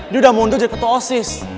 dia udah mundur jadi ketosis